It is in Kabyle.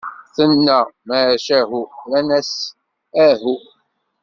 Tenna: "Macahu!" Rran-as: "Ahu."